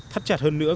thắt chặt hơn nữa